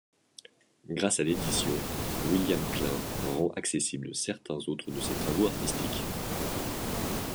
Grâce à l’édition, William Klein rend accessible certains autres de ses travaux artistiques.